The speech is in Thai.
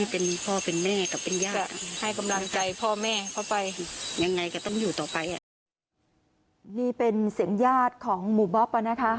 เป็นเสียงหญ้าของหมูบ๊อบก่อนนะคะ